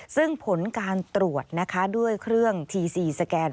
ซึ่งผลการตรวจนะคะด้วยเครื่องทีซีสแกน